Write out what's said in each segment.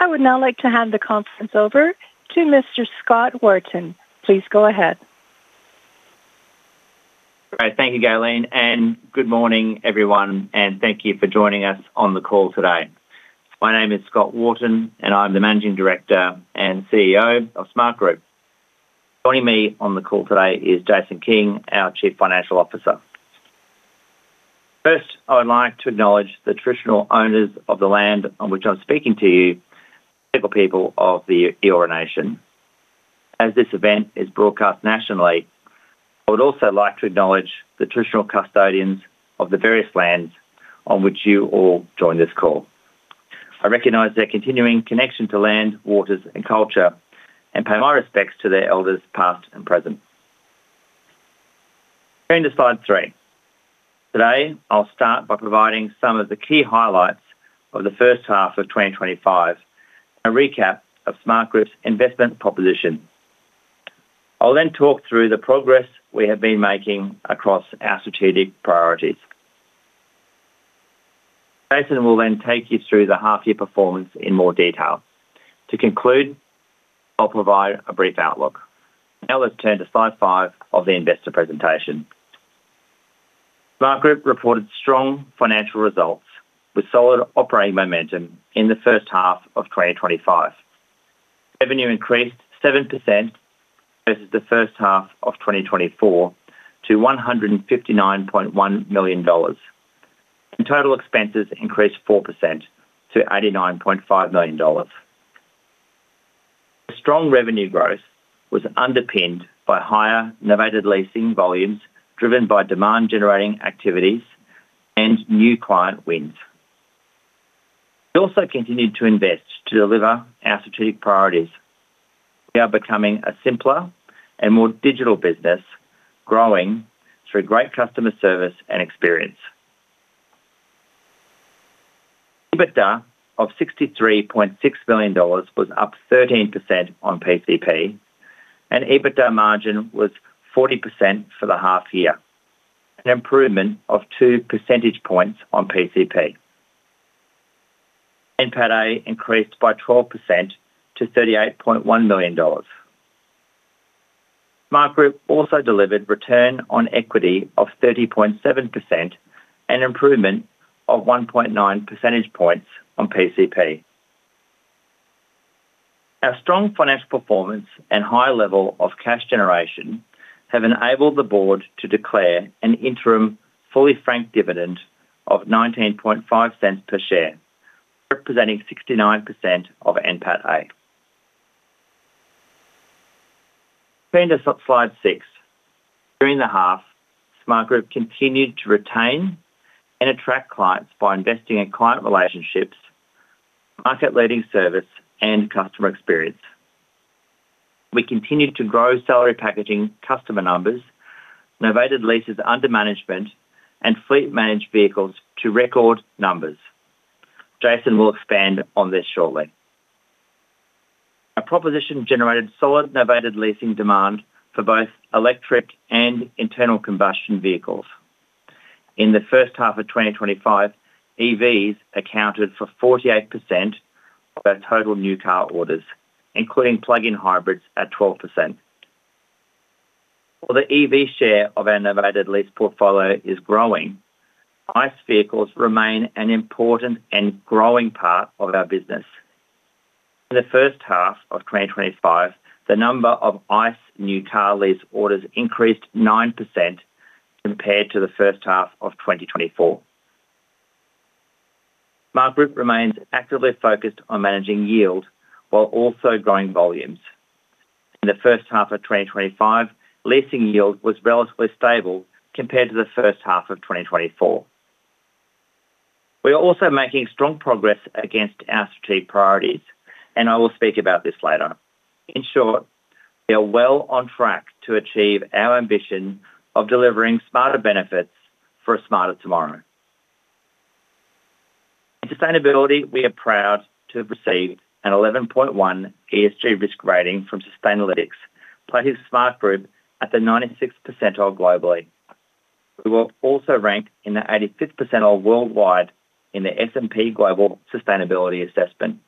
I would now like to hand the conference over to Mr. Scott Wharton. Please go ahead. Right. Thank you, Ghislaine, and good morning, everyone, and thank you for joining us on the call today. My name is Scott Wharton, and I'm the Managing Director and CEO of Smartgroup. Joining me on the call today is Jason King, our Chief Financial Officer. First, I would like to acknowledge the traditional owners of the land on which I'm speaking to you, the people of the Eora Nation. As this event is broadcast nationally, I would also like to acknowledge the traditional custodians of the various lands on which you all join this call. I recognize their continuing connection to land, waters, and culture, and pay my respects to their elders past and present. Turning to slide 3, today I'll start by providing some of the key highlights of the first half of 2025 and a recap of Smartgroup's investment proposition. I'll then talk through the progress we have been making across our strategic priorities. Jason will then take you through the half-year performance in more detail. To conclude, I'll provide a brief outlook. Now let's turn to slide 5 of the investor presentation. Smartgroup reported strong financial results with solid operating momentum in the first half of 2025. Revenue increased 7% versus the first half of 2024 to $159.1 million, and total expenses increased 4% to $89.5 million. The strong revenue growth was underpinned by higher novated leasing volumes driven by demand-generating activities and new client wins. We also continued to invest to deliver our strategic priorities. We are becoming a simpler and more digital business, growing through great customer service and experience. EBITDA of $63.6 million was up 13% on PCP, and EBITDA margin was 40% for the half-year, an improvement of 2 percentage points on PCP. NPATA increased by 12% to $38.1 million. Smartgroup also delivered return on equity of 30.7%, an improvement of 1.9 percentage points on PCP. Our strong financial performance and high level of cash generation have enabled the board to declare an interim fully franked dividend of $0.195 per share, representing 69% of NPATA. Turning to slide 6, during the half, Smartgroup continued to retain and attract clients by investing in client relationships, market-leading service, and customer experience. We continued to grow salary packaging customer numbers, novated leases under management, and fleet-managed vehicles to record numbers. Jason will expand on this shortly. Our proposition generated solid novated leasing demand for both electric and internal combustion vehicles. In the first half of 2025, EVs accounted for 48% of our total new car orders, including plug-in hybrids at 12%. While the EV share of our novated lease portfolio is growing, ICE vehicles remain an important and growing part of our business. In the first half of 2025, the number of ICE new car lease orders increased 9% compared to the first half of 2024. Smartgroup remains actively focused on managing yield while also growing volumes. In the first half of 2025, leasing yield was relatively stable compared to the first half of 2024. We are also making strong progress against our strategic priorities, and I will speak about this later. In short, we are well on track to achieve our ambition of delivering smarter benefits for a smarter tomorrow. In sustainability, we are proud to have received an 11.1 ESG risk rating from Sustainalytics, placing Smartgroup at the 96th percentile globally. We were also ranked in the 85th percentile worldwide in the S&P Global Sustainability Assessment.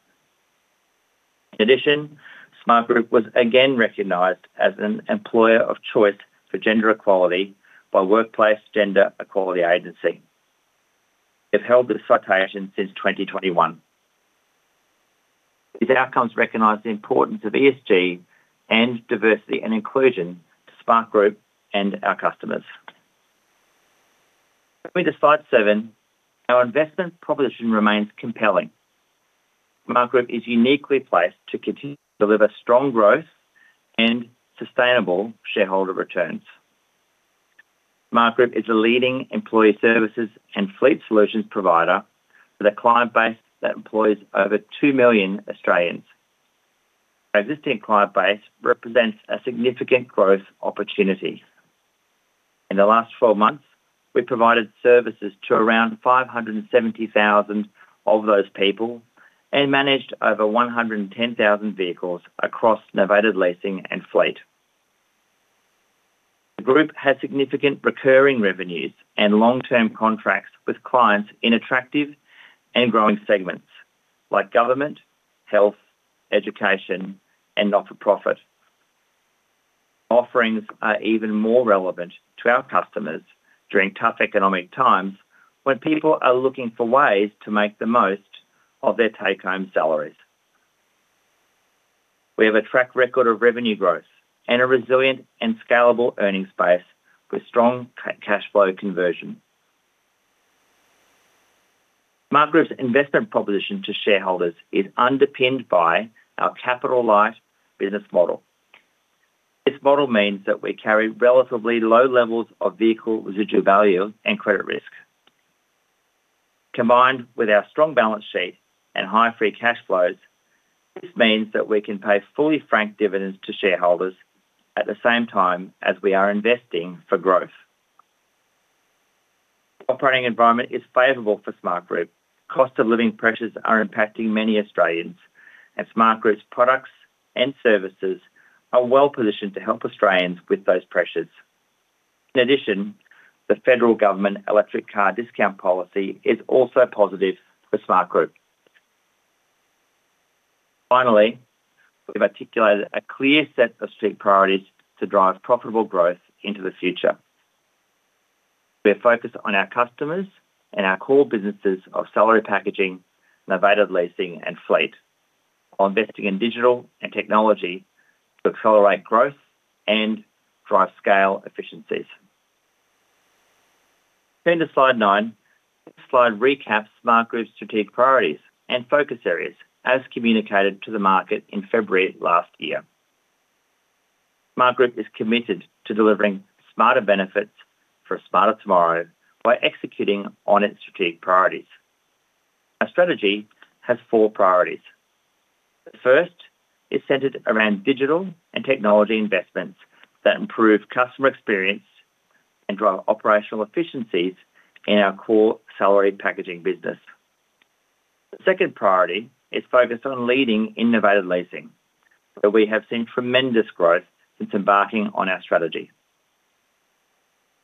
In addition, Smartgroup was again recognized as an employer of choice for gender equality by Workplace Gender Equality Agency. We have held this citation since 2021. These outcomes recognize the importance of ESG and diversity and inclusion to Smartgroup and our customers. Turning to slide 7, our investment proposition remains compelling. Smartgroup is uniquely placed to continue to deliver strong growth and sustainable shareholder returns. Smartgroup is the leading employee services and fleet solutions provider with a client base that employs over 2 million Australians. Our existing client base represents a significant growth opportunity. In the last 12 months, we provided services to around 570,000 of those people and managed over 110,000 vehicles across novated leasing and fleet. The group has significant recurring revenues and long-term contracts with clients in attractive and growing segments like government, health, education, and not-for-profit. Offerings are even more relevant to our customers during tough economic times when people are looking for ways to make the most of their take-home salaries. We have a track record of revenue growth and a resilient and scalable earnings base with strong cash flow conversion. Smartgroup's investment proposition to shareholders is underpinned by our capital-light business model. This model means that we carry relatively low levels of vehicle residual value and credit risk. Combined with our strong balance sheet and high free cash flows, this means that we can pay fully franked dividends to shareholders at the same time as we are investing for growth. The operating environment is favorable for Smartgroup. Cost-of-living pressures are impacting many Australians, and Smartgroup's products and services are well positioned to help Australians with those pressures. In addition, the federal government electric car discount policy is also positive for Smartgroup. Finally, we've articulated a clear set of strategic priorities to drive profitable growth into the future. We are focused on our customers and our core businesses of salary packaging, novated leasing, and fleet management services, while investing in digital and technology to accelerate growth and drive scale efficiencies. Turning to slide 9, this slide recaps Smartgroup's strategic priorities and focus areas as communicated to the market in February last year. Smartgroup is committed to delivering smarter benefits for a smarter tomorrow by executing on its strategic priorities. Our strategy has four priorities. The first is centered around digital and technology investments that improve customer experience and drive operational efficiencies in our core salary packaging business. The second priority is focused on leading innovative leasing, where we have seen tremendous growth since embarking on our strategy.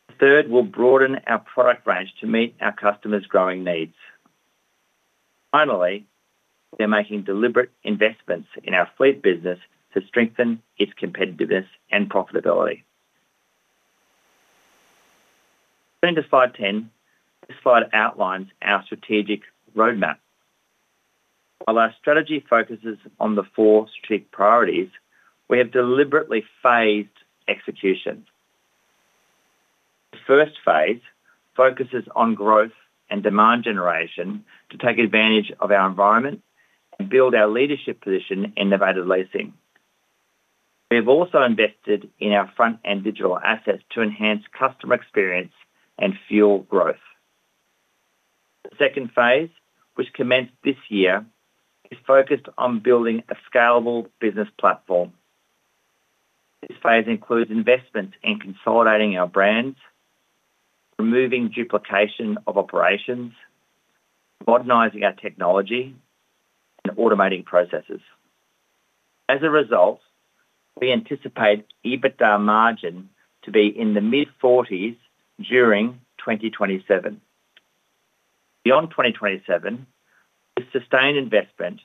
The third will broaden our product range to meet our customers' growing needs. Finally, we are making deliberate investments in our fleet management services business to strengthen its competitiveness and profitability. Turning to slide 10, this slide outlines our strategic roadmap. While our strategy focuses on the four strategic priorities, we have deliberately phased execution. The first phase focuses on growth and demand generation to take advantage of our environment and build our leadership position in novated leasing. We have also invested in our front-end digital assets to enhance customer experience and fuel growth. The second phase, which commenced this year, is focused on building a scalable business platform. This phase includes investments in consolidating our brands, removing duplication of operations, modernizing our technology, and automating processes. As a result, we anticipate EBITDA margin to be in the mid-40% during 2027. Beyond 2027, with sustained investment,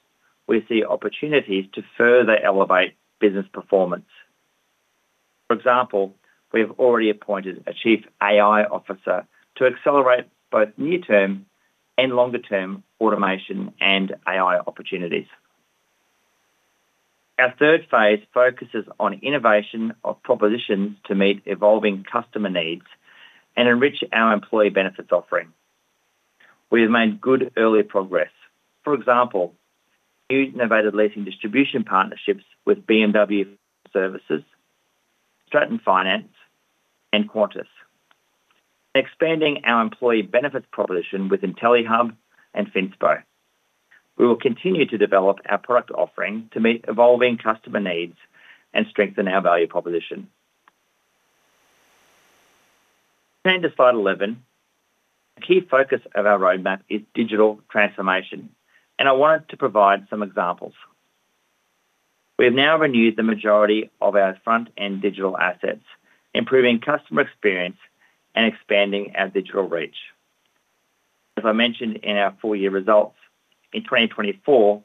we see opportunities to further elevate business performance. For example, we have already appointed a Chief AI Officer to accelerate both near-term and longer-term automation and AI opportunities. Our third phase focuses on innovation of propositions to meet evolving customer needs and enrich our employee benefits offering. We have made good early progress. For example, new novated leasing distribution partnerships with BMW Financial Services, Stratton Finance, and Qantas. Expanding our employee benefits proposition with IntelliHub and Finspo, we will continue to develop our product offering to meet evolving customer needs and strengthen our value proposition. Turning to slide 11, a key focus of our roadmap is digital transformation, and I wanted to provide some examples. We have now renewed the majority of our front-end digital assets, improving customer experience and expanding our digital reach. As I mentioned in our full-year results, in 2024,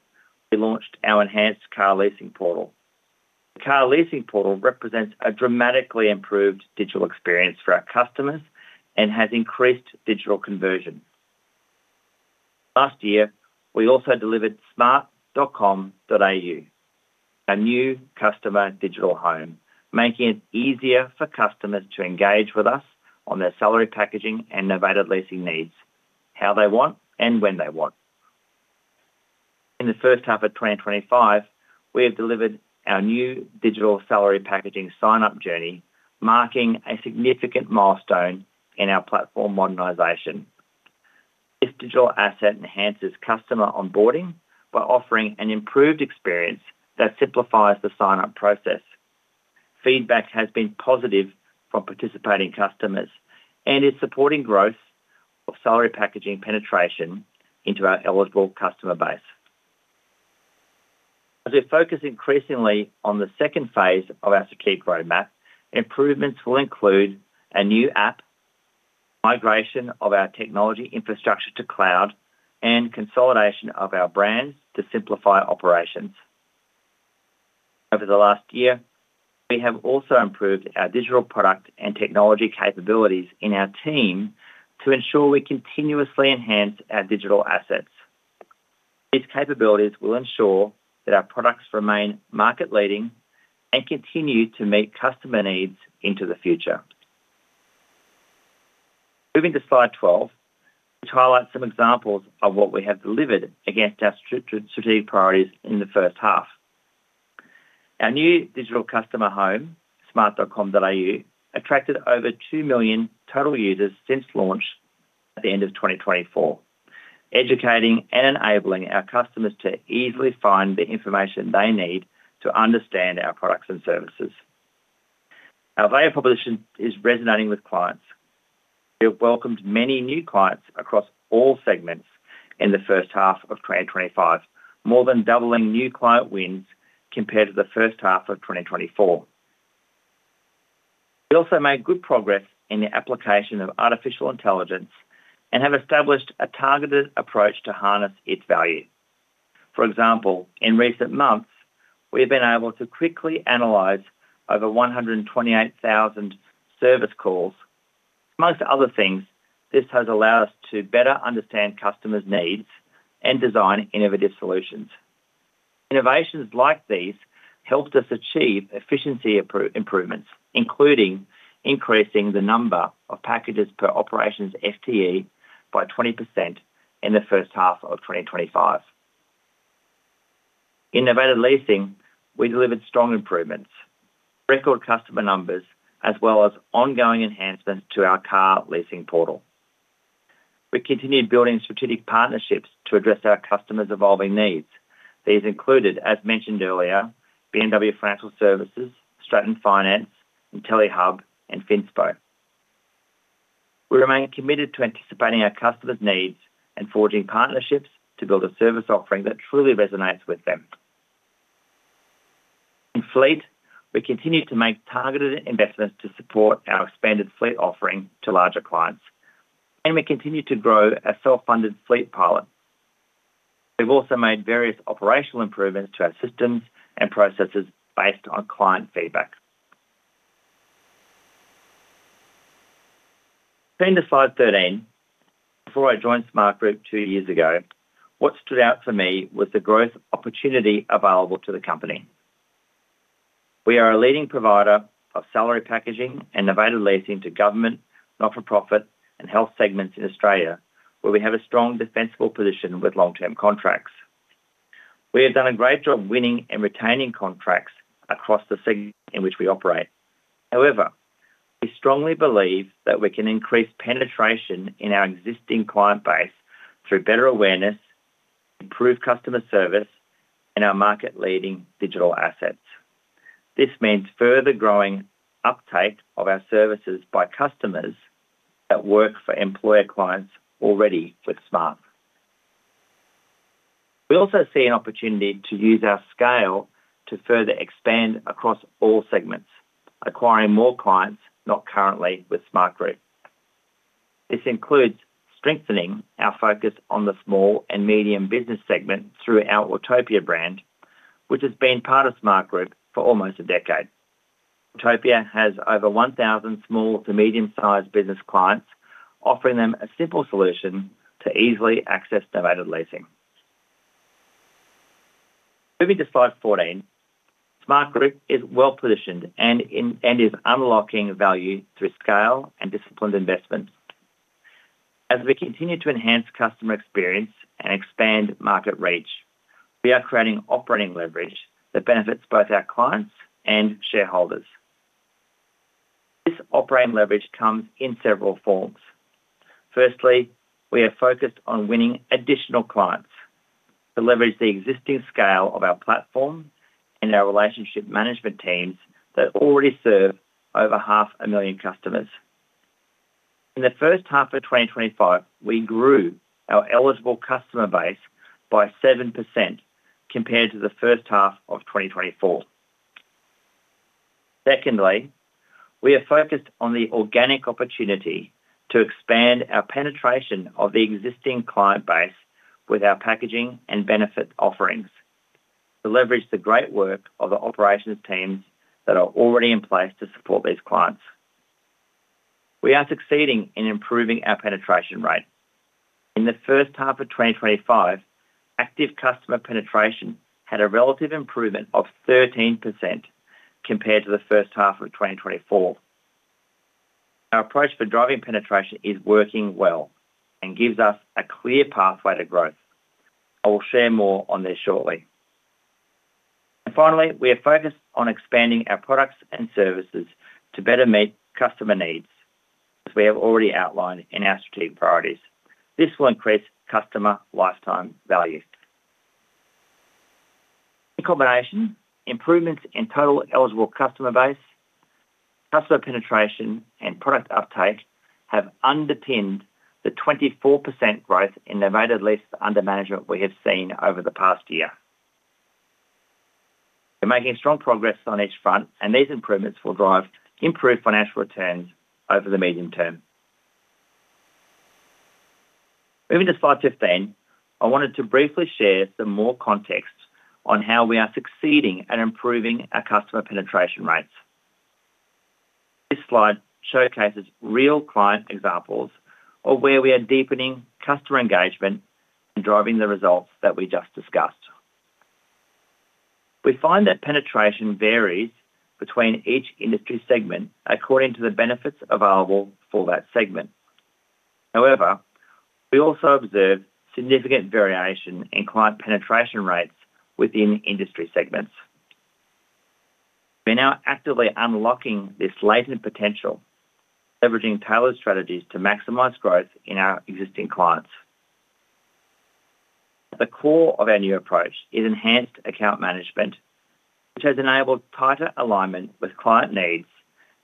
we launched our enhanced car leasing portal. The car leasing portal represents a dramatically improved digital experience for our customers and has increased digital conversion. Last year, we also delivered smart.com.au, a new customer digital home, making it easier for customers to engage with us on their salary packaging and novated leasing needs, how they want and when they want. In the first half of 2025, we have delivered our new digital salary packaging sign-up journey, marking a significant milestone in our platform modernization. This digital asset enhances customer onboarding by offering an improved experience that simplifies the sign-up process. Feedback has been positive from participating customers and is supporting growth of salary packaging penetration into our eligible customer base. As we focus increasingly on the second phase of our strategic roadmap, improvements will include a new app, migration of our technology infrastructure to cloud, and consolidation of our brand to simplify operations. Over the last year, we have also improved our digital product and technology capabilities in our team to ensure we continuously enhance our digital assets. These capabilities will ensure that our products remain market-leading and continue to meet customer needs into the future. Moving to slide 12, which highlights some examples of what we have delivered against our strategic priorities in the first half. Our new digital customer home, smart.com.au, attracted over 2 million total users since launch at the end of 2024, educating and enabling our customers to easily find the information they need to understand our products and services. Our value proposition is resonating with clients. We have welcomed many new clients across all segments in the first half of 2025, more than doubling new client wins compared to the first half of 2024. We also made good progress in the application of artificial intelligence and have established a targeted approach to harness its value. For example, in recent months, we have been able to quickly analyze over 128,000 service calls. Amongst other things, this has allowed us to better understand customers' needs and design innovative solutions. Innovations like these helped us achieve efficiency improvements, including increasing the number of packages per operations FTE by 20% in the first half of 2025. In novated leasing, we delivered strong improvements, record customer numbers, as well as ongoing enhancements to our car leasing portal. We continued building strategic partnerships to address our customers' evolving needs. These included, as mentioned earlier, BMW Financial Services, Stratton Finance, IntelliHub, and Finspo. We remain committed to anticipating our customers' needs and forging partnerships to build a service offering that truly resonates with them. In fleet, we continue to make targeted investments to support our expanded fleet offering to larger clients, and we continue to grow a self-funded fleet pilot. We've also made various operational improvements to our systems and processes based on client feedback. Turning to slide 13, before I joined Smartgroup two years ago, what stood out for me was the growth opportunity available to the company. We are a leading provider of salary packaging and novated leasing to government, not-for-profit, and health segments in Australia, where we have a strong defensible position with long-term contracts. We have done a great job winning and retaining contracts across the segment in which we operate. However, we strongly believe that we can increase penetration in our existing client base through better awareness, improved customer service, and our market-leading digital assets. This means further growing uptake of our services by customers that work for employer clients already with Smart. We also see an opportunity to use our scale to further expand across all segments, acquiring more clients not currently with Smartgroup. This includes strengthening our focus on the small and medium business segment through our Utopia brand, which has been part of Smartgroup for almost a decade. Utopia has over 1,000 small to medium-sized business clients, offering them a simple solution to easily access novated leasing. Moving to slide 14, Smartgroup is well-positioned and is unlocking value through scale and disciplined investments. As we continue to enhance customer experience and expand market reach, we are creating operating leverage that benefits both our clients and shareholders. This operating leverage comes in several forms. Firstly, we are focused on winning additional clients to leverage the existing scale of our platform and our relationship management teams that already serve over half a million customers. In the first half of 2025, we grew our eligible customer base by 7% compared to the first half of 2024. Secondly, we are focused on the organic opportunity to expand our penetration of the existing client base with our packaging and benefits offerings to leverage the great work of the operations teams that are already in place to support these clients. We are succeeding in improving our penetration rate. In the first half of 2025, active customer penetration had a relative improvement of 13% compared to the first half of 2024. Our approach for driving penetration is working well and gives us a clear pathway to growth. I will share more on this shortly. Finally, we are focused on expanding our products and services to better meet customer needs, as we have already outlined in our strategic priorities. This will increase customer lifetime value. In combination, improvements in total eligible customer base, customer penetration, and product uptake have underpinned the 24% growth in novated leases under management we have seen over the past year. We're making strong progress on each front, and these improvements will drive improved financial returns over the medium term. Moving to slide 15, I wanted to briefly share some more context on how we are succeeding at improving our customer penetration rates. This slide showcases real client examples of where we are deepening customer engagement and driving the results that we just discussed. We find that penetration varies between each industry segment according to the benefits available for that segment. However, we also observe significant variation in client penetration rates within industry segments. We're now actively unlocking this latent potential, leveraging tailored strategies to maximize growth in our existing clients. The core of our new approach is enhanced account management, which has enabled tighter alignment with client needs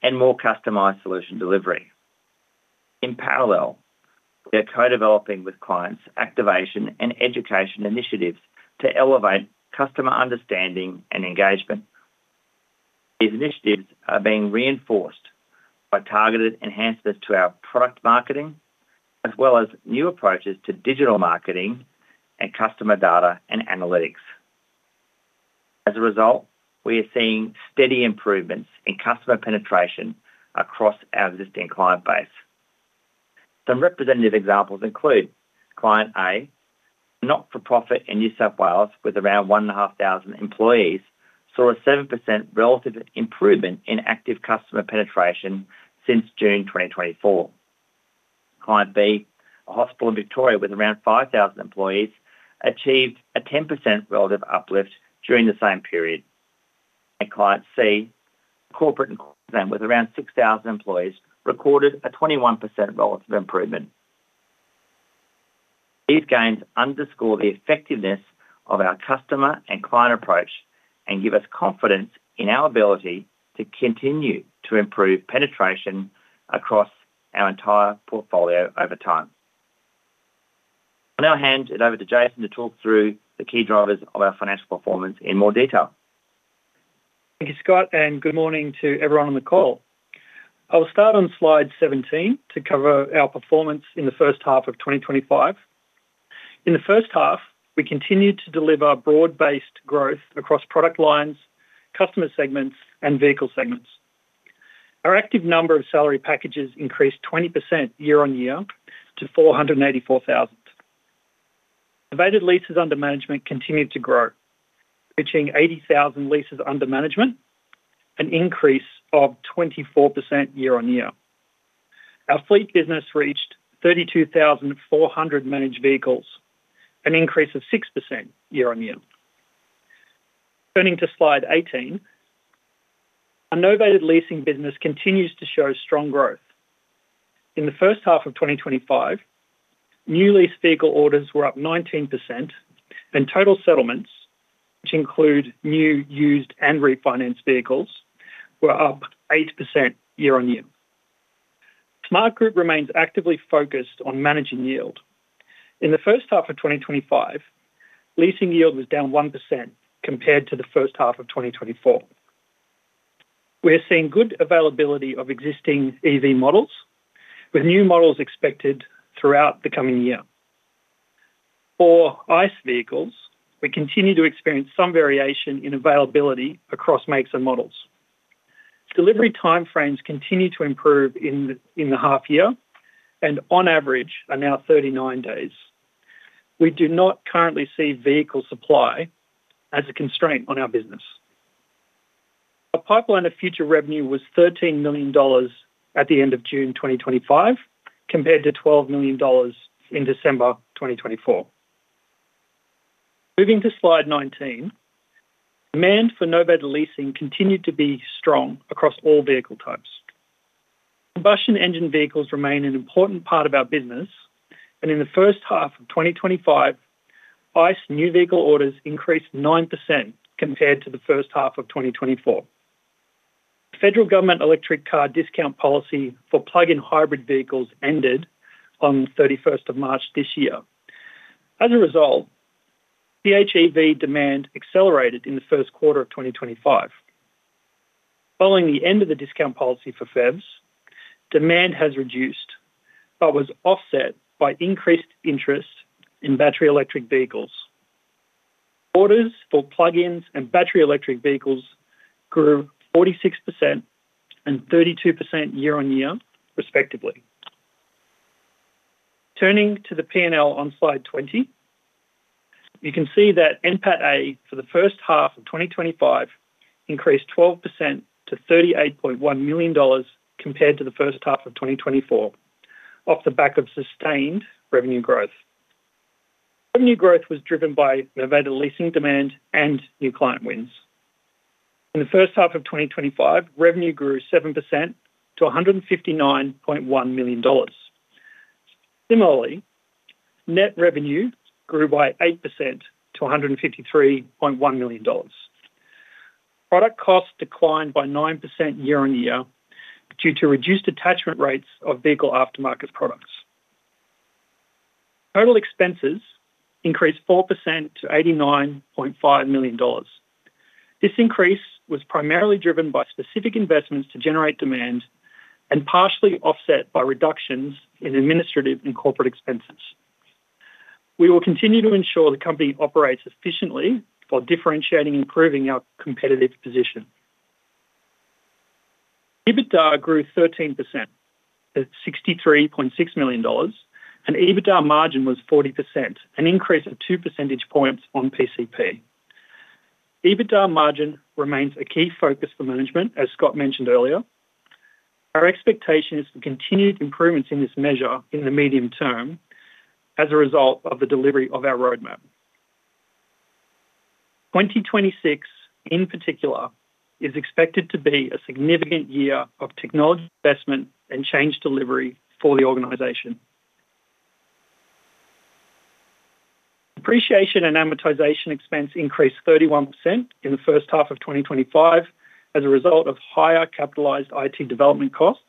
and more customized solution delivery. In parallel, we are co-developing with clients activation and education initiatives to elevate customer understanding and engagement. These initiatives are being reinforced by targeted enhancements to our product marketing, as well as new approaches to digital marketing and customer data and analytics. As a result, we are seeing steady improvements in customer penetration across our existing client base. Some representative examples include Client A, a not-for-profit in New South Wales with around 1,500 employees, saw a 7% relative improvement in active customer penetration since June 2024. Client B, a hospital in Victoria with around 5,000 employees, achieved a 10% relative uplift during the same period. Client C, a corporate in Queensland with around 6,000 employees, recorded a 21% relative improvement. These gains underscore the effectiveness of our customer and client approach and give us confidence in our ability to continue to improve penetration across our entire portfolio over time. I'll now hand it over to Jason to talk through the key drivers of our financial performance in more detail. Thank you, Scott, and good morning to everyone on the call. I will start on slide 17 to cover our performance in the first half of 2025. In the first half, we continued to deliver broad-based growth across product lines, customer segments, and vehicle segments. Our active number of salary packages increased 20% year-on-year to 484,000. Novated leases under management continued to grow, reaching 80,000 leases under management, an increase of 24% year-on-year. Our fleet business reached 32,400 managed vehicles, an increase of 6% year-on-year. Turning to slide 18, our novated leasing business continues to show strong growth. In the first half of 2025, new lease vehicle orders were up 19%, and total settlements, which include new, used, and refinanced vehicles, were up 8% year-on-year. Smartgroup remains actively focused on managing yield. In the first half of 2025, leasing yield was down 1% compared to the first half of 2024. We are seeing good availability of existing EV models, with new models expected throughout the coming year. For ICE vehicles, we continue to experience some variation in availability across makes and models. Delivery timeframes continue to improve in the half-year, and on average are now 39 days. We do not currently see vehicle supply as a constraint on our business. Our pipeline of future revenue was $13 million at the end of June 2025, compared to $12 million in December 2024. Moving to slide 19, demand for novated leasing continued to be strong across all vehicle types. Combustion engine vehicles remain an important part of our business, and in the first half of 2025, ICE new vehicle orders increased 9% compared to the first half of 2024. The federal government electric car discount policy for plug-in hybrid vehicles ended on the 31st of March this year. As a result, PHEV demand accelerated in the first quarter of 2025. Following the end of the discount policy for PHEVs, demand has reduced but was offset by increased interest in battery electric vehicles. Orders for plug-ins and battery electric vehicles grew 46% and 32% year-on-year, respectively. Turning to the P&L on slide 20, you can see that NPATA for the first half of 2025 increased 12% to $38.1 million compared to the first half of 2024, off the back of sustained revenue growth. Revenue growth was driven by novated leasing demand and new client wins. In the first half of 2025, revenue grew 7% to $159.1 million. Similarly, net revenue grew by 8% to $153.1 million. Product costs declined by 9% year-on-year due to reduced attachment rates of vehicle aftermarket products. Total expenses increased 4% to $89.5 million. This increase was primarily driven by specific investments to generate demand and partially offset by reductions in administrative and corporate expenses. We will continue to ensure the company operates efficiently while differentiating and proving our competitive position. EBITDA grew 13% at $63.6 million, and EBITDA margin was 40%, an increase of 2 percentage points on PCP. EBITDA margin remains a key focus for management, as Scott mentioned earlier. Our expectation is for continued improvements in this measure in the medium term as a result of the delivery of our roadmap. 2026, in particular, is expected to be a significant year of technology investment and change delivery for the organization. Depreciation and amortization expense increased 31% in the first half of 2025 as a result of higher capitalized IT development costs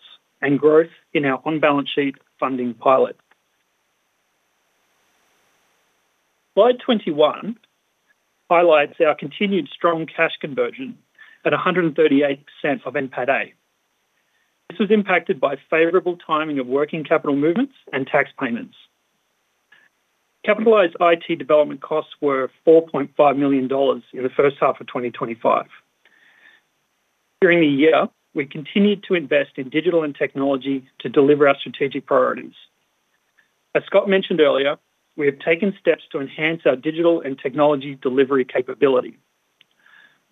and growth in our on-balance sheet funding pilot. Slide 21 highlights our continued strong cash conversion at 138% of NPATA. This was impacted by favorable timing of working capital movements and tax payments. Capitalized IT development costs were $4.5 million in the first half of 2025. During the year, we continued to invest in digital and technology to deliver our strategic priorities. As Scott mentioned earlier, we have taken steps to enhance our digital and technology delivery capability.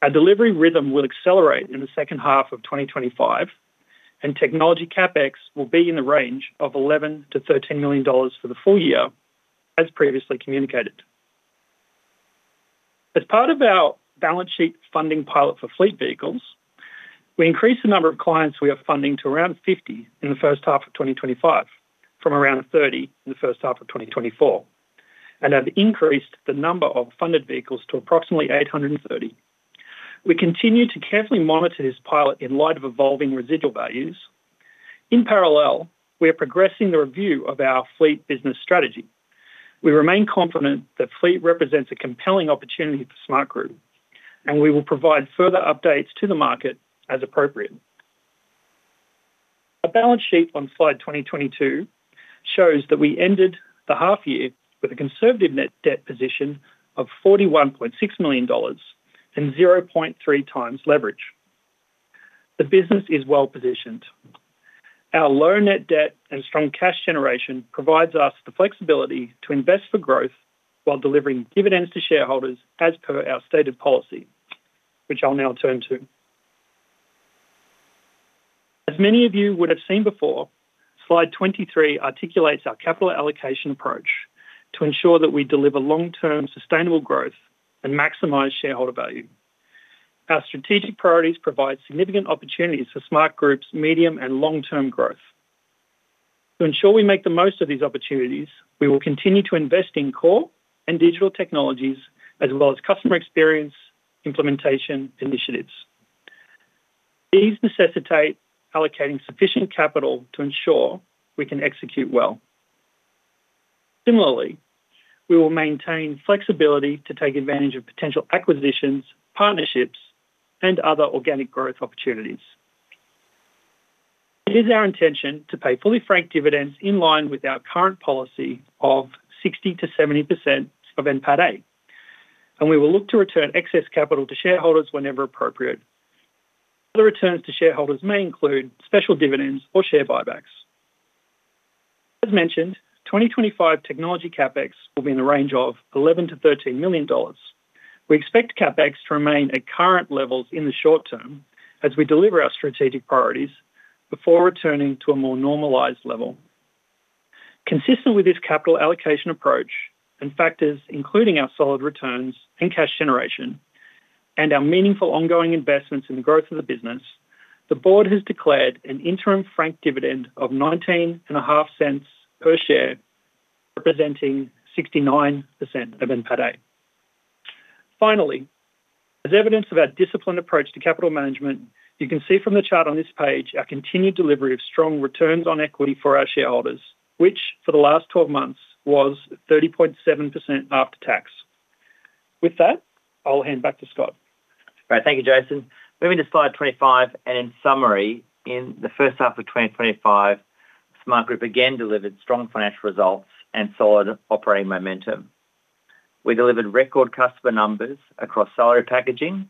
Our delivery rhythm will accelerate in the second half of 2025, and technology CapEx will be in the range of $11 million-$13 million for the full year, as previously communicated. As part of our balance sheet funding pilot for fleet vehicles, we increased the number of clients we are funding to around 50 in the first half of 2025, from around 30 in the first half of 2024, and have increased the number of funded vehicles to approximately 830. We continue to carefully monitor this pilot in light of evolving residual values. In parallel, we are progressing the review of our fleet business strategy. We remain confident that fleet represents a compelling opportunity for Smartgroup, and we will provide further updates to the market as appropriate. Our balance sheet on slide 22 shows that we ended the half-year with a conservative net debt position of $41.6 million and 0.3 times leverage. The business is well positioned. Our low net debt and strong cash generation provide us the flexibility to invest for growth while delivering dividends to shareholders as per our stated policy, which I'll now turn to. As many of you would have seen before, slide 23 articulates our capital allocation approach to ensure that we deliver long-term sustainable growth and maximize shareholder value. Our strategic priorities provide significant opportunities for Smartgroup's medium and long-term growth. To ensure we make the most of these opportunities, we will continue to invest in core and digital technologies, as well as customer experience implementation initiatives. These necessitate allocating sufficient capital to ensure we can execute well. Similarly, we will maintain flexibility to take advantage of potential acquisitions, partnerships, and other organic growth opportunities. It is our intention to pay fully franked dividends in line with our current policy of 60%-70% of NPATA, and we will look to return excess capital to shareholders whenever appropriate. Other returns to shareholders may include special dividends or share buybacks. As mentioned, 2025 technology CapEx will be in the range of $11 million-$13 million. We expect CapEx to remain at current levels in the short term as we deliver our strategic priorities before returning to a more normalized level. Consistent with this capital allocation approach and factors, including our solid returns and cash generation and our meaningful ongoing investments in the growth of the business, the board has declared an interim franked dividend of $0.195 per share, representing 69% of NPATA. Finally, as evidence of our disciplined approach to capital management, you can see from the chart on this page our continued delivery of strong returns on equity for our shareholders, which for the last 12 months was 30.7% after tax. With that, I'll hand back to Scott. All right, thank you, Jason. Moving to slide 25, and in summary, in the first half of 2025, Smartgroup again delivered strong financial results and solid operating momentum. We delivered record customer numbers across salary packaging,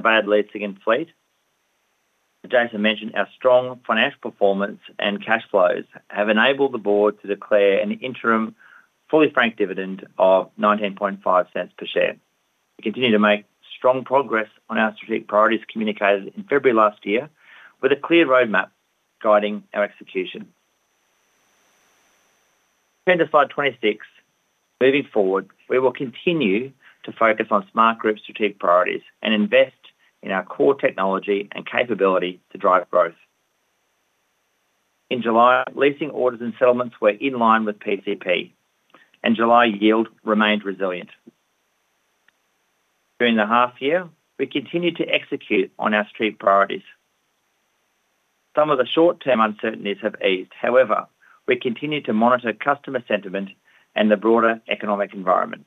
novated leasing, and fleet. The data mentioned our strong financial performance and cash flows have enabled the board to declare an interim fully franked dividend of $0.195 per share. We continue to make strong progress on our strategic priorities communicated in February last year, with a clear roadmap guiding our execution. Turning to slide 26, moving forward, we will continue to focus on Smartgroup's strategic priorities and invest in our core technology and capability to drive growth. In July, leasing orders and settlements were in line with PCP, and July yield remained resilient. During the half-year, we continued to execute on our strategic priorities. Some of the short-term uncertainties have eased, however, we continue to monitor customer sentiment and the broader economic environment.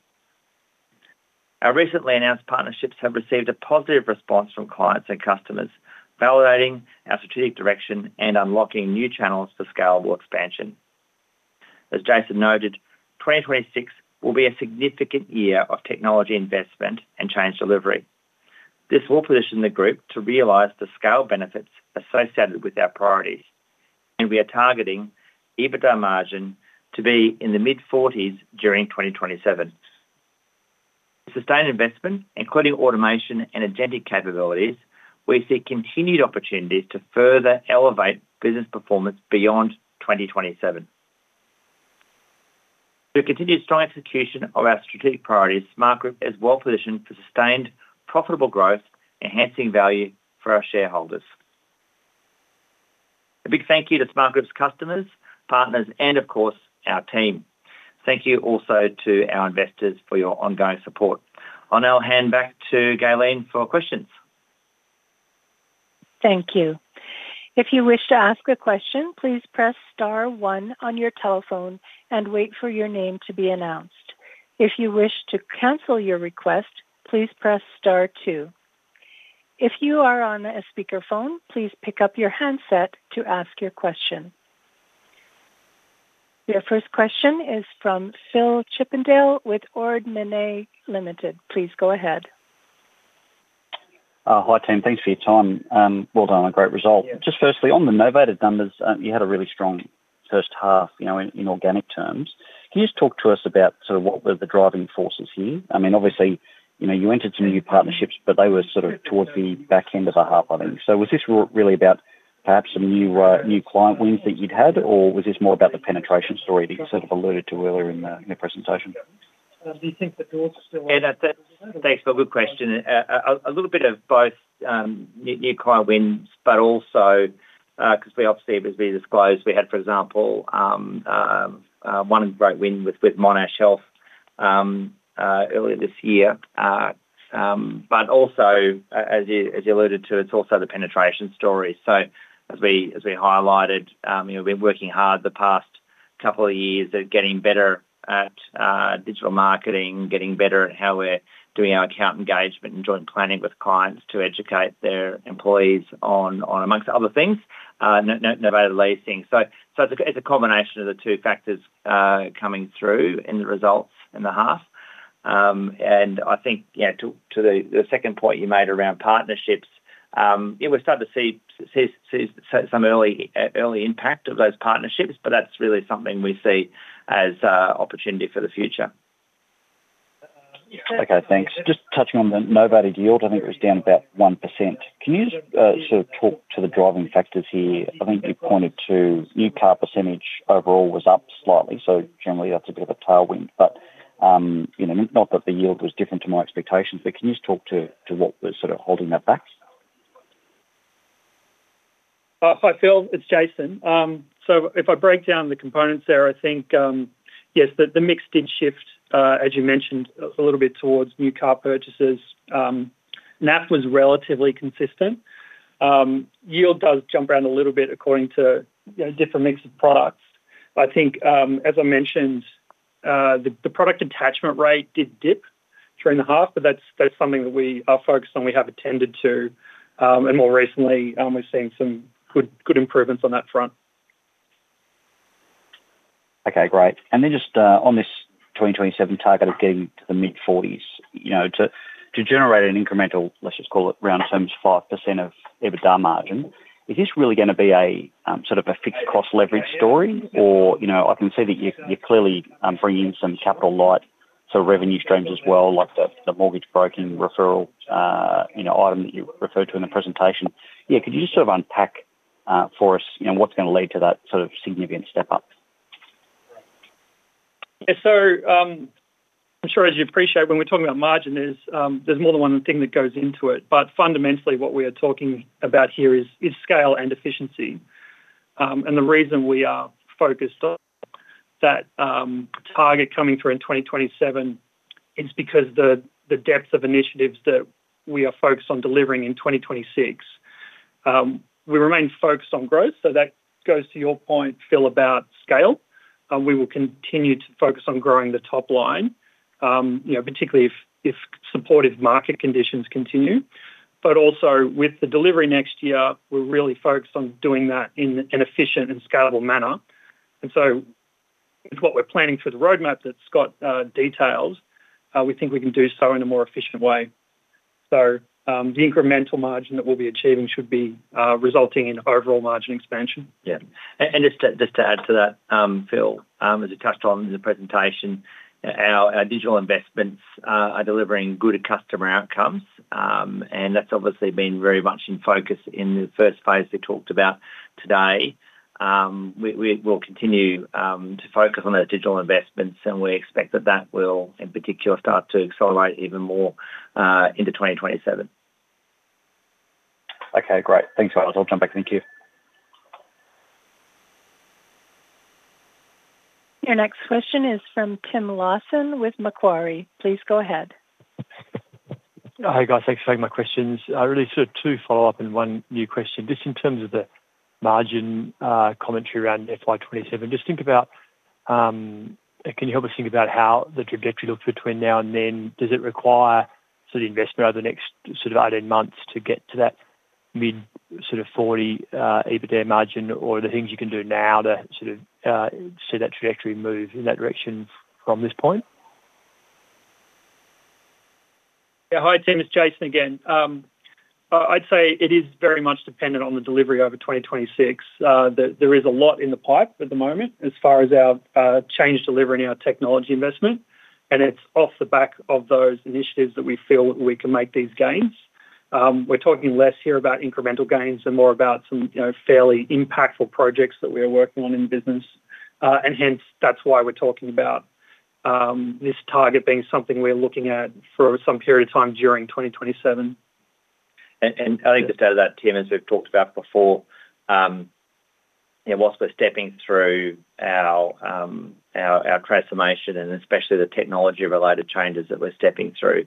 Our recently announced partnerships have received a positive response from clients and customers, validating our strategic direction and unlocking new channels for scalable expansion. As Jason noted, 2026 will be a significant year of technology investment and change delivery. This will position the group to realize the scale benefits associated with our priorities, and we are targeting EBITDA margin to be in the mid-40% during 2027. Sustained investment, including automation and agentic capabilities, we see continued opportunities to further elevate business performance beyond 2027. Through continued strong execution of our strategic priorities, Smartgroup is well positioned for sustained profitable growth, enhancing value for our shareholders. A big thank you to Smartgroup's customers, partners, and of course, our team. Thank you also to our investors for your ongoing support. I'll now hand back to Ghislaine for questions. Thank you. If you wish to ask a question, please press star one on your telephone and wait for your name to be announced. If you wish to cancel your request, please press star two. If you are on a speakerphone, please pick up your handset to ask your question. Your first question is from Phillip Chippindale with Ord Minnett Ltd. Please go ahead. Hi team, thanks for your time. Well done, a great result. Just firstly, on the novated numbers, you had a really strong first half, you know, in organic terms. Can you just talk to us about sort of what were the driving forces here? I mean, obviously, you know, you entered some new partnerships, but they were sort of towards the back end of the half, I think. Was this really about perhaps some new client wins that you'd had, or was this more about the penetration story that you sort of alluded to earlier in the presentation? Do you think the doors are still open? Yeah, thanks, Phil. Good question. A little bit of both new client wins, but also, because we obviously, as we disclosed, we had, for example, one great win with Monash Health earlier this year. Also, as you alluded to, it's the penetration story. As we highlighted, we've been working hard the past couple of years at getting better at digital marketing, getting better at how we're doing our account engagement and joint planning with clients to educate their employees on, amongst other things, novated leasing. It's a combination of the two factors coming through in the results in the half. I think, to the second point you made around partnerships, we've started to see some early impact of those partnerships, but that's really something we see as an opportunity for the future. Okay, thanks. Just touching on the novated yield, I think it was down about 1%. Can you just sort of talk to the driving factors here? I think you pointed to the new car percentage overall was up slightly. Generally, that's a bit of a tailwind, but you know, not that the yield was different to my expectations, but can you just talk to what was sort of holding that back? Hi Phil, it's Jason. If I break down the components there, I think, yes, the mix did shift, as you mentioned, a little bit towards new car purchases. NAF was relatively consistent. Yield does jump around a little bit according to different mix of products. I think, as I mentioned, the product attachment rate did dip during the half, but that's something that we are focused on. We have attended to it, and more recently, we've seen some good improvements on that front. Okay, great. Just on this 2027 target of getting to the mid-40s, to generate an incremental, let's just call it around 75% of EBITDA margin. Is this really going to be a sort of a fixed cost leverage story? I can see that you're clearly bringing in some capital-light revenue streams as well, like the mortgage broking referral item that you referred to in the presentation. Could you just sort of unpack for us what's going to lead to that significant step up? Yeah, so I'm sure as you appreciate, when we're talking about margin, there's more than one thing that goes into it. Fundamentally, what we are talking about here is scale and efficiency. The reason we are focused on that target coming through in 2027 is because the depth of initiatives that we are focused on delivering in 2026. We remain focused on growth, so that goes to your point, Phil, about scale. We will continue to focus on growing the top line, particularly if supportive market conditions continue. Also, with the delivery next year, we're really focused on doing that in an efficient and scalable manner. With what we're planning through the roadmap that Scott details, we think we can do so in a more efficient way. The incremental margin that we'll be achieving should be resulting in overall margin expansion. Yeah, just to add to that, Phil, as you touched on in the presentation, our digital investments are delivering good customer outcomes. That's obviously been very much in focus in the first phase we talked about today. We will continue to focus on our digital investments, and we expect that will, in particular, start to accelerate even more into 2027. Okay, great. Thanks, guys. I'll jump back. Thank you. Your next question is from Tim Lawson with Macquarie. Please go ahead. Hey guys, thanks for taking my questions. I really have two follow-up and one new question. Just in terms of the margin commentary around FY 2027, just thinking about, can you help us think about how the trajectory looks between now and then? Does it require investment over the next 18 months to get to that mid-40% EBITDA margin, or are there things you can do now to see that trajectory move in that direction from this point? Yeah, hi Tim, it's Jason again. I'd say it is very much dependent on the delivery over 2026. There is a lot in the pipe at the moment as far as our change delivery in our technology investment, and it's off the back of those initiatives that we feel that we can make these gains. We're talking less here about incremental gains and more about some, you know, fairly impactful projects that we are working on in the business. Hence, that's why we're talking about this target being something we're looking at for some period of time during 2027. I think the state of that, Tim, as we've talked about before, whilst we're stepping through our transformation and especially the technology-related changes that we're stepping through,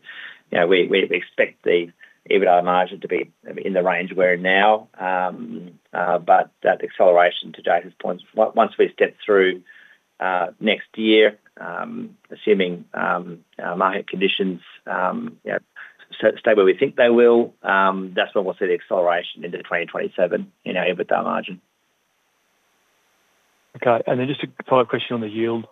we expect the EBITDA margin to be in the range we're in now. That acceleration, to Jason's point, once we step through next year, assuming our market conditions stay where we think they will, that's when we'll see the acceleration into 2027 in our EBITDA margin. Okay, and then just a follow-up question on the yield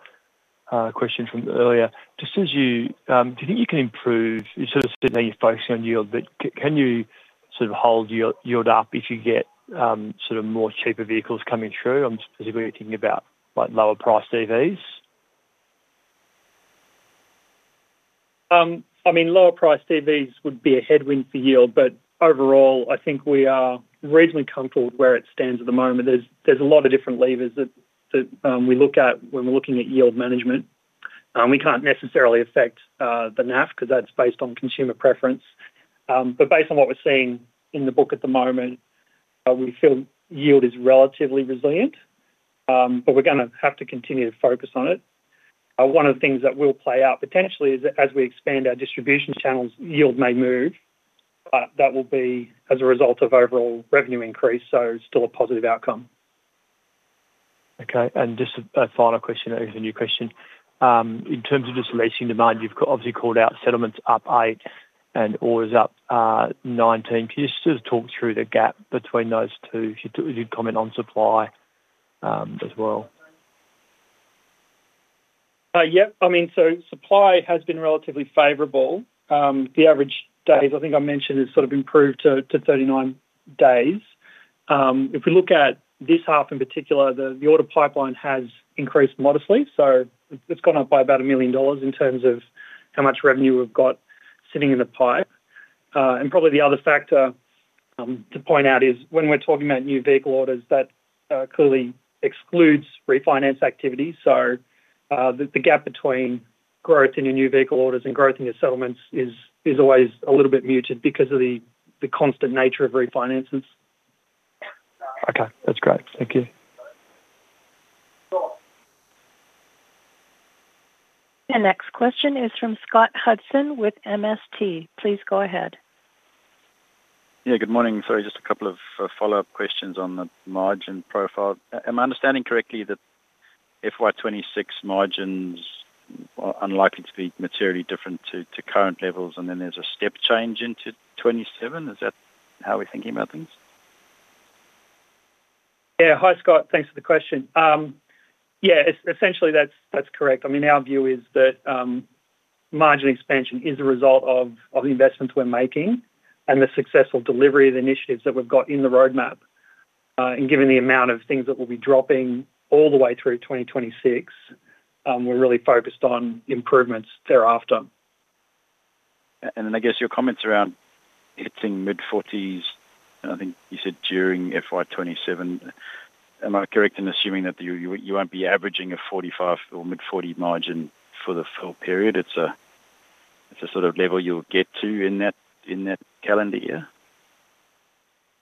question from earlier. Do you think you can improve, you sort of spent that you're focusing on yield, but can you sort of hold yield up if you get more cheaper vehicles coming through? I'm specifically thinking about like lower priced EVs. I mean, lower priced EVs would be a headwind for yield, but overall, I think we are reasonably comfortable with where it stands at the moment. There are a lot of different levers that we look at when we're looking at yield management. We can't necessarily affect the NAF because that's based on consumer preference. Based on what we're seeing in the book at the moment, we feel yield is relatively resilient, but we're going to have to continue to focus on it. One of the things that will play out potentially is that as we expand our distribution channels, yield may move, but that will be as a result of overall revenue increase, so still a positive outcome. Okay, and just a final question, it was a new question. In terms of just leasing demand, you've obviously called out settlements up 8% and orders up 19%. Could you just talk through the gap between those two? You did comment on supply as well. Yep, I mean, supply has been relatively favorable. The average days, I think I mentioned, has improved to 39 days. If we look at this half in particular, the order pipeline has increased modestly, so it's gone up by about $1 million in terms of how much revenue we've got sitting in the pipe. Probably the other factor to point out is when we're talking about new vehicle orders, that clearly excludes refinance activity. The gap between growth in your new vehicle orders and growth in your settlements is always a little bit muted because of the constant nature of refinances. Okay, that's great. Thank you. The next question is from Scott Hudson with MST. Please go ahead. Yeah, good morning. Sorry, just a couple of follow-up questions on the margin profile. Am I understanding correctly that FY 2026 margins are unlikely to be materially different to current levels, and then there's a step change into 2027? Is that how we're thinking about things? Yeah, hi Scott, thanks for the question. Yeah, essentially that's correct. I mean, our view is that margin expansion is a result of the investments we're making and the successful delivery of the initiatives that we've got in the roadmap. Given the amount of things that will be dropping all the way through 2026, we're really focused on improvements thereafter. I guess your comments around hitting mid-40s, and I think you said during FY 2027, am I correct in assuming that you won't be averaging a 45% or mid-40% margin for the full period? It's a sort of level you'll get to in that calendar year?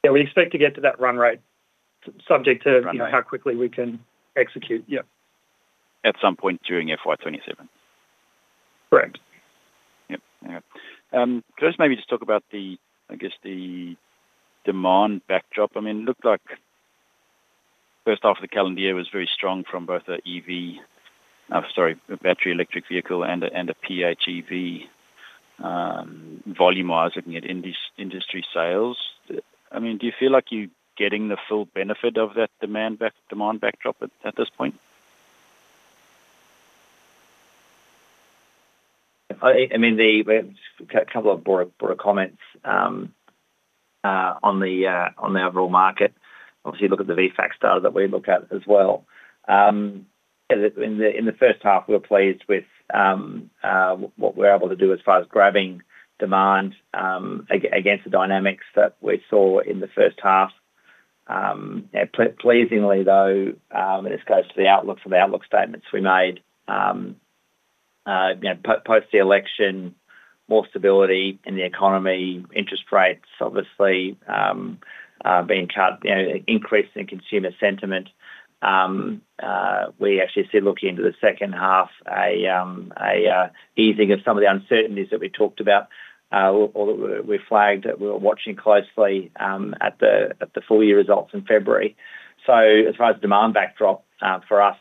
We expect to get to that run rate, subject to how quickly we can execute. At some point during FY 2027. Correct. Yeah, okay. Could I just maybe talk about the, I guess, the demand backdrop? I mean, it looked like the first half of the calendar year was very strong from both an EV, sorry, a battery electric vehicle and a PHEV volume-wise looking at industry sales. I mean, do you feel like you're getting the full benefit of that demand backdrop at this point? I mean, we had a couple of broader comments on the overall market. Obviously, look at the VFAX data that we look at as well. In the first half, we're pleased with what we're able to do as far as grabbing demand against the dynamics that we saw in the first half. Pleasingly, though, and this goes to the outlook for the outlook statements we made, post the election, more stability in the economy, interest rates obviously being cut, increase in consumer sentiment. We actually said looking into the second half, an easing of some of the uncertainties that we talked about, or that we flagged that we were watching closely at the full year results in February. As far as the demand backdrop for us,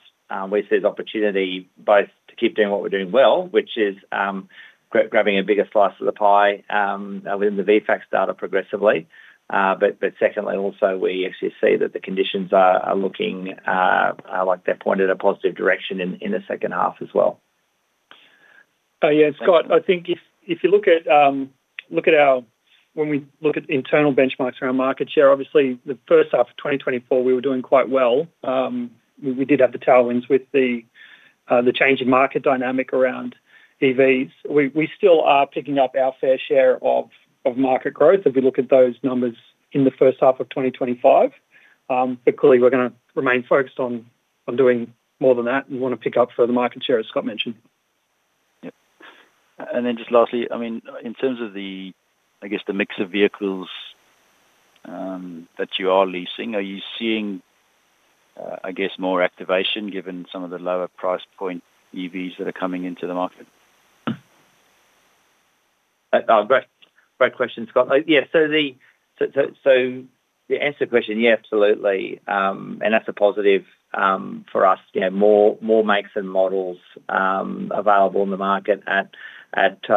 we see as opportunity both to keep doing what we're doing well, which is grabbing a bigger slice of the pie, I'll live in the VFAX data progressively. Secondly, also we actually see that the conditions are looking like they're pointing in a positive direction in the second half as well. Yeah, Scott, I think if you look at our, when we look at internal benchmarks around market share, obviously the first half of 2024 we were doing quite well. We did have the tailwinds with the change in market dynamic around EVs. We still are picking up our fair share of market growth if we look at those numbers in the first half of 2025. Clearly, we're going to remain focused on doing more than that and want to pick up for the market share as Scott mentioned. Lastly, in terms of the mix of vehicles that you are leasing, are you seeing more activation given some of the lower price point EVs that are coming into the market? Great question, Scott. You asked the question, absolutely. That's a positive for us. More makes and models available on the market at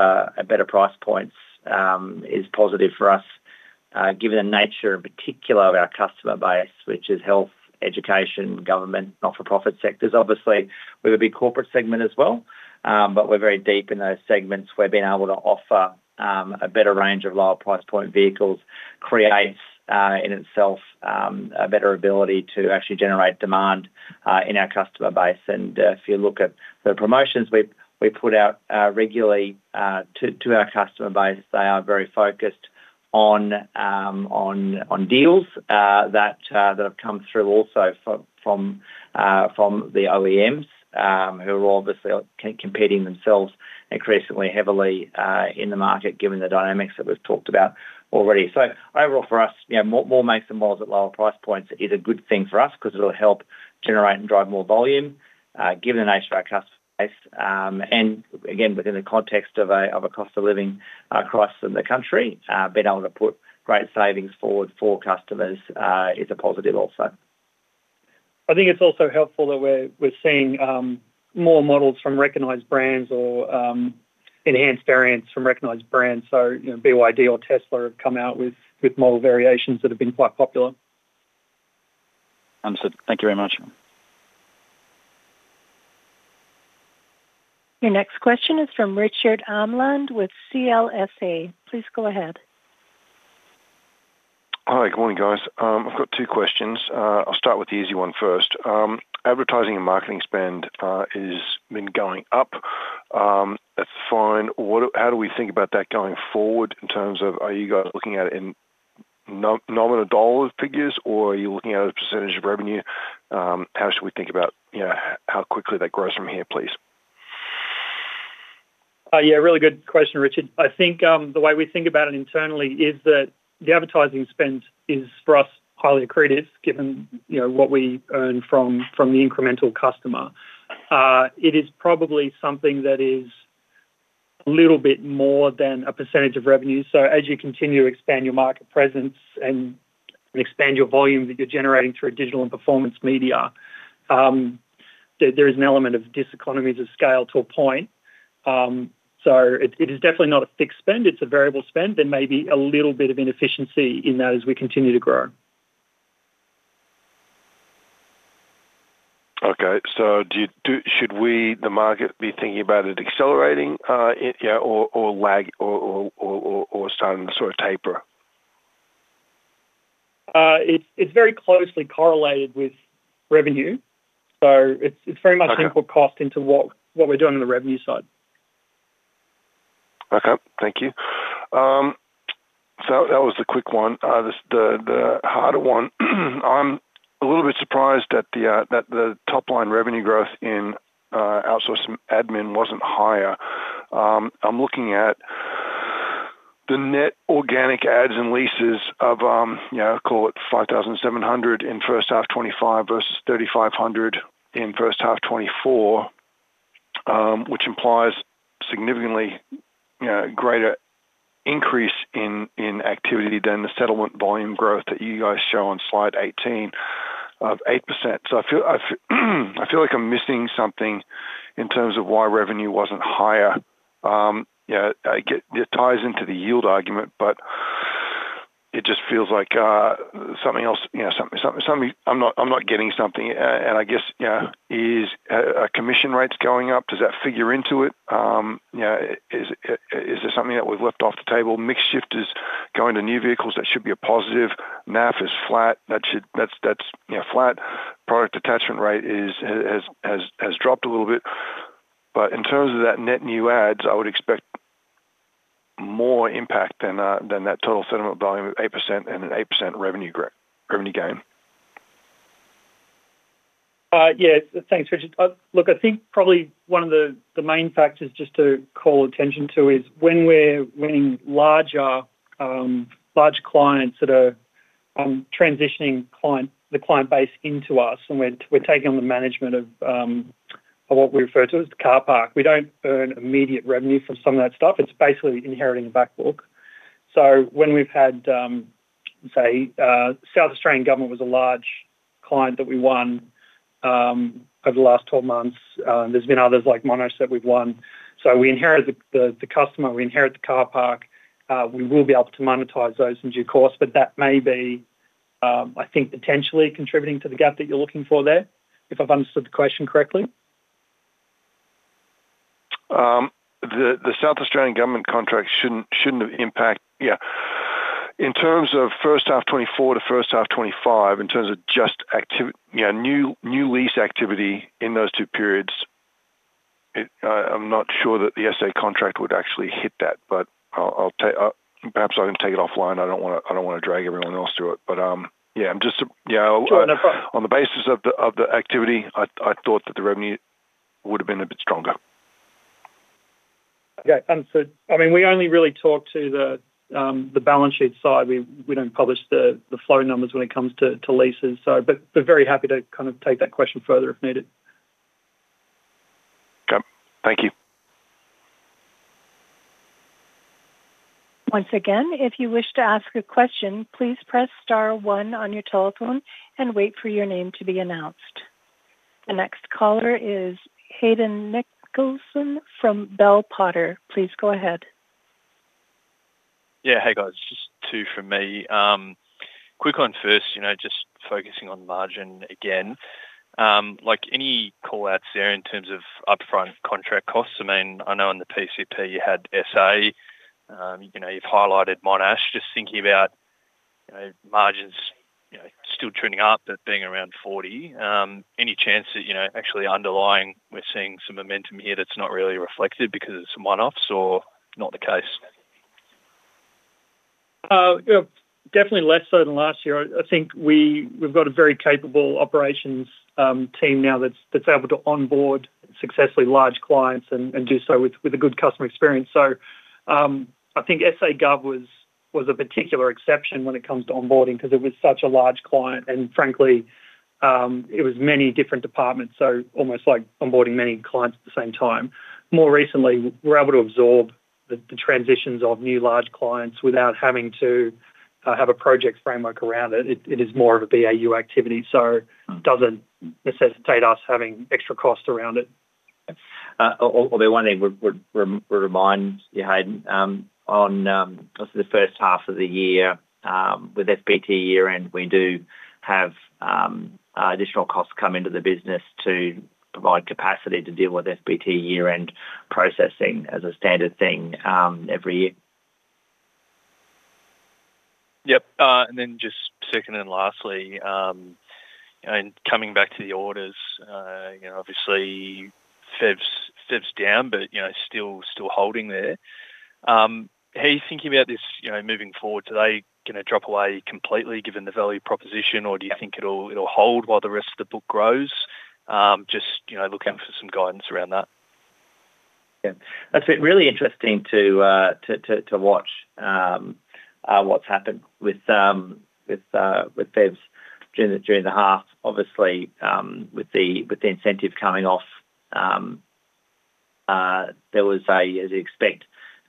better price points is positive for us, given the nature in particular of our customer base, which is health, education, government, not-for-profit sectors. Obviously, we have a big corporate segment as well, but we're very deep in those segments where being able to offer a better range of lower price point vehicles creates in itself a better ability to actually generate demand in our customer base. If you look at the promotions we put out regularly to our customer base, they are very focused on deals that have come through also from the OEMs who are obviously competing themselves increasingly heavily in the market, given the dynamics that we've talked about already. Overall for us, more makes and models at lower price points is a good thing for us because it'll help generate and drive more volume, given the nature of our customer base. Within the context of a cost-of-living crisis in the country, being able to put great savings forward for customers is a positive also. I think it's also helpful that we're seeing more models from recognized brands or enhanced variants from recognized brands. You know, BYD or Tesla have come out with model variations that have been quite popular. Understood. Thank you very much. Your next question is from Richard Amland with CLSA. Please go ahead. Hi, good morning guys. I've got two questions. I'll start with the easy one first. Advertising and marketing spend has been going up. That's fine. How do we think about that going forward in terms of are you guys looking at it in nominal dollar figures or are you looking at it as a percentage of revenue? How should we think about, you know, how quickly that grows from here, please? Yeah, really good question, Richard. I think the way we think about it internally is that the advertising spend is for us highly accretive, given what we earn from the incremental customer. It is probably something that is a little bit more than a percentage of revenue. As you continue to expand your market presence and expand your volume that you're generating through digital and performance media, there is an element of diseconomies of scale to a point. It is definitely not a fixed spend. It's a variable spend. There may be a little bit of inefficiency in that as we continue to grow. Okay, should we, the market, be thinking about it accelerating or lag or starting to sort of taper? It's very closely correlated with revenue. It's very much input cost into what we're doing on the revenue side. Okay, thank you. That was the quick one. The harder one, I'm a little bit surprised that the top line revenue growth in outsourcing admin wasn't higher. I'm looking at the net organic adds and leases of, you know, call it 5,700 in first half 2025 versus 3,500 in first half 2024, which implies significantly, you know, a greater increase in activity than the settlement volume growth that you guys show on slide 18 of 8%. I feel like I'm missing something in terms of why revenue wasn't higher. Yeah, it ties into the yield argument, but it just feels like something else, you know, I'm not getting something. I guess, you know, is commission rates going up? Does that figure into it? Is there something that we've left off the table? Mix shift is going to new vehicles. That should be a positive. NAF is flat. That's, you know, flat. Product attachment rate has dropped a little bit. In terms of that net new adds, I would expect more impact than that total settlement volume of 8% and an 8% revenue gain. Yeah, thanks, Richard. Look, I think probably one of the main factors just to call attention to is when we're winning larger, large clients that are transitioning the client base into us and we're taking on the management of what we refer to as the car park. We don't earn immediate revenue from some of that stuff. It's basically inheriting a backbook. When we've had, say, South Australian government was a large client that we won over the last 12 months. There have been others like Monash Health that we've won. We inherit the customer. We inherit the car park. We will be able to monetize those in due course, but that may be, I think, potentially contributing to the gap that you're looking for there, if I've understood the question correctly. The South Australian government contract shouldn't impact, in terms of first half 2024 to first half 2025, in terms of just activity, new lease activity in those two periods. I'm not sure that the SA contract would actually hit that, but perhaps I can take it offline. I don't want to drag everyone else through it, but on the basis of the activity, I thought that the revenue would have been a bit stronger. Yeah, I mean, we only really talk to the balance sheet side. We don't publish the flow numbers when it comes to leases, but very happy to kind of take that question further if needed. Okay, thank you. Once again, if you wish to ask a question, please press star one on your telephone and wait for your name to be announced. The next caller is Hayden Nicholson from Bell Potter. Please go ahead. Yeah, hey guys, just two from me. Quick one first, you know, just focusing on margin again. Like any call outs there in terms of upfront contract costs? I mean, I know on the PCP you had SA. You know, you've highlighted Monash. Just thinking about, you know, margins, you know, still tuning up, but being around 40%. Any chance that, you know, actually underlying we're seeing some momentum here that's not really reflected because it's one-offs or not the case? Definitely less so than last year. I think we've got a very capable operations team now that's able to onboard successfully large clients and do so with a good customer experience. I think SA Gov was a particular exception when it comes to onboarding because it was such a large client, and frankly, it was many different departments, so almost like onboarding many clients at the same time. More recently, we're able to absorb the transitions of new large clients without having to have a project framework around it. It is more of a BAU activity, so it doesn't necessitate us having extra costs around it. I'll be one thing we'll remind you, Hayden, on the first half of the year with SBT year-end, we do have additional costs come into the business to provide capacity to deal with SBT year-end processing as a standard thing every year. Yep, and then just second and lastly, you know, and coming back to the orders, you know, obviously EV's down, but you know, still holding there. How are you thinking about this, you know, moving forward? Are they going to drop away completely given the value proposition, or do you think it'll hold while the rest of the book grows? Just, you know, looking for some guidance around that. Yeah, that's really interesting to watch what's happened with BEVs during the half. Obviously, with the incentive coming off, there was a, as you expect,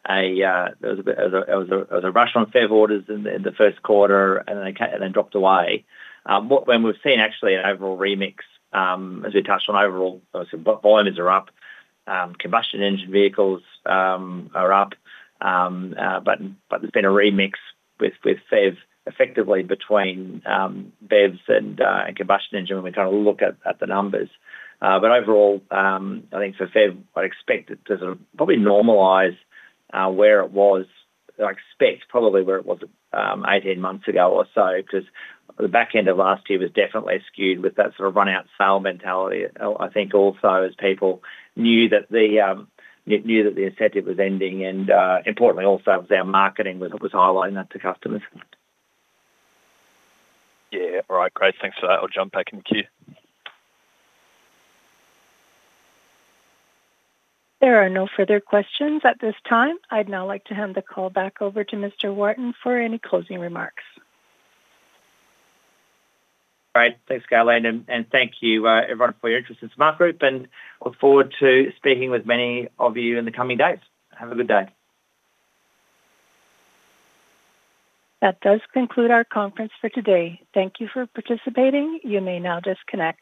there was a rush on BEV orders in the first quarter and then dropped away. We've seen actually an overall remix, as we touched on overall, obviously volumes are up, combustion engine vehicles are up, but there's been a remix with BEVs effectively between BEVs and combustion engines when we kind of look at the numbers. Overall, I think for BEV, I'd expect it to probably normalize where it was, I expect probably where it was 18 months ago or so because the back end of last year was definitely skewed with that sort of run-out sale mentality. I think also as people knew that the incentive was ending and importantly also their marketing was highlighting that to customers. All right, great, thanks for that. I'll jump back in the queue. There are no further questions at this time. I'd now like to hand the call back over to Mr. Wharton for any closing remarks. All right, thanks Ghislaine, and thank you everyone for your interest in Smartgroup and look forward to speaking with many of you in the coming days. Have a good day. That does conclude our conference for today. Thank you for participating. You may now disconnect.